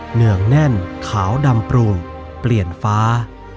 เหนืองแน่นขาวดำปรุงเปลี่ยนฟ้า